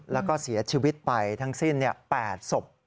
แล้วก็เสียชีวิตไปทั้งสิ้น๘ศพ